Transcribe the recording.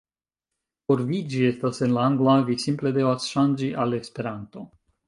Por vi, ĝi estas en la angla vi simple devas ŝanĝi al Esperanto